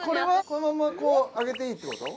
このまんまこうあげていいってこと？